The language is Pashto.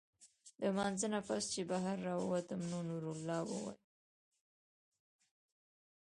د مانځۀ نه پس چې بهر راووتم نو نورالله وايي